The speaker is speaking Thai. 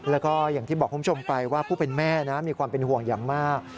แล้วก็อย่างที่บอกคุณผู้ชมไปว่าผู้เป็นแม่นะมีความเป็นห่วงอย่างมาก